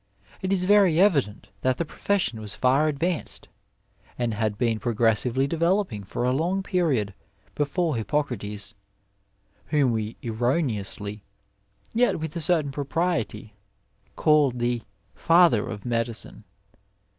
It is very evident that the profession was &r advanced and had been progressively developing for a long period before Hippo crates, whom we erroneously, yet with a certain propriety, call the Father of Medicine.